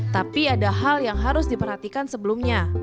tapi ada hal yang harus diperhatikan sebelumnya